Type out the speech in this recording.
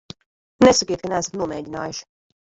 Nesakiet, ka neesat nomēģinājuši.